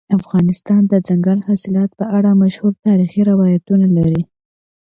افغانستان د دځنګل حاصلات په اړه مشهور تاریخی روایتونه لري.